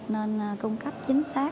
nên cung cấp chính xác